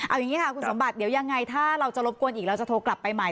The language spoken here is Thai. เอาอย่างนี้ค่ะคุณสมบัติเดี๋ยวยังไงถ้าเราจะรบกวนอีกเราจะโทรกลับไปใหม่